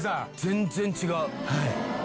全然違う。